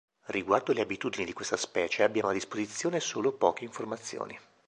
Riguardo le abitudini di questa specie abbiamo a disposizione solo poche informazioni.